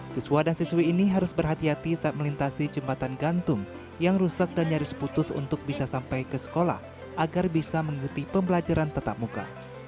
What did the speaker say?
siswa dan siswi ini harus berhati hati saat melintasi jembatan gantung yang rusak dan nyaris putus untuk bisa sampai ke sekolah agar bisa mengikuti pembelajaran tetap muka